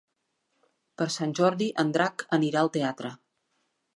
Per Sant Jordi en Drac anirà al teatre.